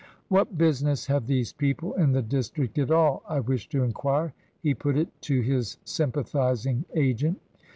" What business have these people in the district at all, I wish to enquire?" he put it to his sympathizing agent.